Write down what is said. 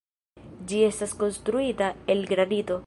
Ĝi estas konstruita el granito.